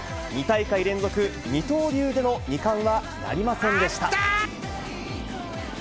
２大会連続、二刀流での２冠はなりませんでした。